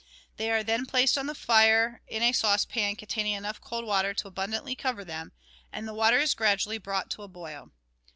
They are then placed on the fire in a saucepan containing enough cold water to abundantly cover them, and the water is gradually brought to the boil.